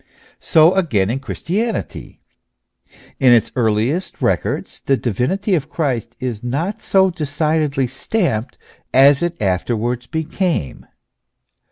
So again in Christianity : in its earliest records the divinity of Christ is not so decidedly stamped as it afterwards hecame.